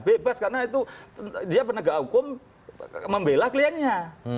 bebas karena itu dia penegak hukum membela kliennya